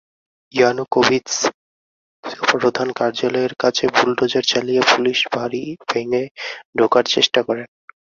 ইয়ানুকোভিৎস প্রধান কার্যালয়ের কাছে বুলডোজার চালিয়ে পুলিশ ফাড়ি ভেঙ্গে ঢোকার চেষ্টা করেন।